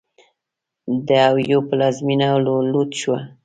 د اویو پلازمېنه لوټ شوه.